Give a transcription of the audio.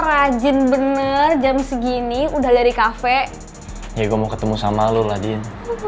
ya gue mau ketemu sama lo lah din